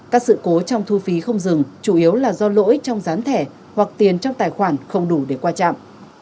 các sự cố trong thu phí không dừng chủ yếu là do lỗi trong dán thẻ hoặc tiền trong tài khoản không đủ để qua trạm